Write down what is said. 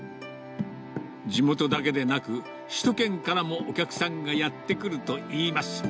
地元だけでなく、首都圏からもお客さんがやって来るといいます。